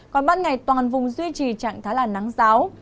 còn ban ngày toàn vùng duy trì trạng thái là nắng giáo